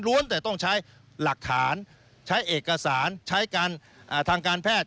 แต่ต้องใช้หลักฐานใช้เอกสารใช้การทางการแพทย์